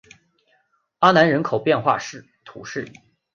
阿南人口变化图示